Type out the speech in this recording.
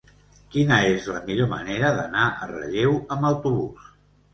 Quina és la millor manera d'anar a Relleu amb autobús?